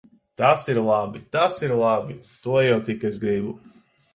Tas ir labi! Tas ir labi! To jau tik es gribu.